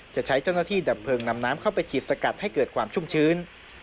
จะใช้เจ้าหน้าที่ดับเพลิงนำน้ำเข้าไปฉีดสกัดให้เกิดความชุ่มชื้น